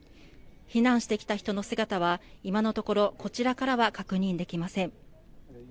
避難してきた人の姿は今のところこちらからは確認できません。